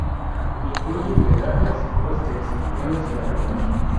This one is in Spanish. Incluye humedales, bosques, ríos y lagunas.